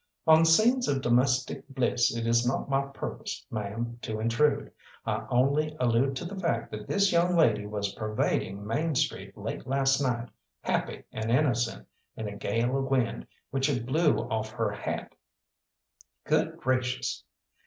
"On scenes of domestic bliss it is not my purpose, ma'am, to intrude. I only allude to the fact that this young lady was pervading Main Street late last night, happy and innocent, in a gale of wind, which it blew off her hat." "Good gracious!"